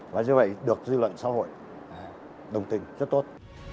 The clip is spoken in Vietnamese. và như vậy được dư luận xã hội đồng tình rất tốt